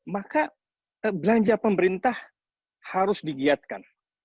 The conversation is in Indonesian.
maka belanja pemerintah harus digiatkan